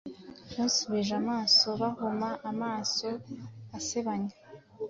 Basubije amaso bahuma amaso asebanya,